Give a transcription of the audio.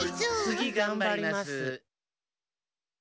つぎがんばります。